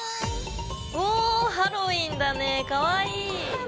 おハロウィーンだねぇかわいい！